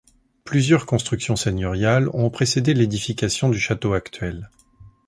Plusieurs constructions seigneuriales ont précédé l'édification du château actuel.